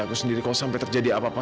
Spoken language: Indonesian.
aku sendiri kalau sampai terjadi apa apa